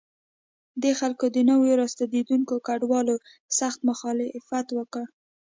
دې خلکو د نویو راستنېدونکو کډوالو سخت مخالفت وکړ.